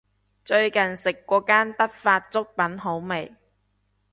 最近食過間德發粥品好味